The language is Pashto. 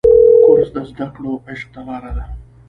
کورس د زده کړو عشق ته لاره ده.